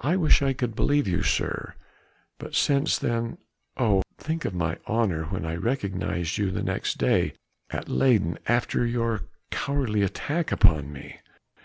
"I wish I could believe you, sir. But since then ... oh! think of my horror when I recognized you the next day at Leyden after your cowardly attack upon me."